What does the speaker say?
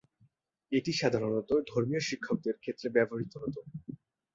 এটি সাধারণত ধর্মীয় শিক্ষকদের ক্ষেত্রে ব্যবহৃত হতো।